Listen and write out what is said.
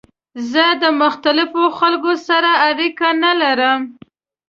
زه د مختلفو خلکو سره اړیکه نه لرم.